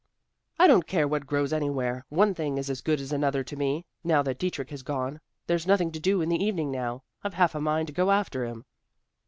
"I don't care what grows anywhere; one thing is as good as another to me, now that Dietrich has gone. There's nothing to do in the evening now. I've half a mind to go after him."